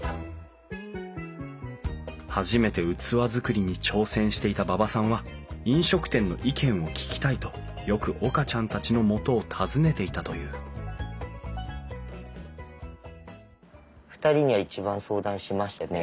初めて器作りに挑戦していた馬場さんは飲食店の意見を聞きたいとよく岡ちゃんたちのもとを訪ねていたという２人には一番相談しましたねはい。